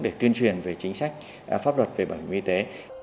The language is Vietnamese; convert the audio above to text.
để tuyên truyền về chính sách pháp luật về bảo hiểm y tế